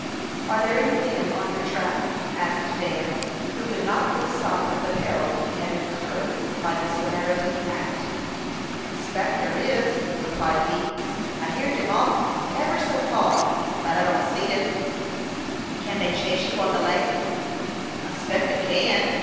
"Are there any men on your track?" asked Dan, who could not lose sight of the peril he had incurred by this Samaritan act. "I speck dar is," replied he. "I hear dem off eber so far, but I don't see dem." "Can they chase you on the lake?" "I speck dey can.